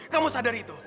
kamu sadar itu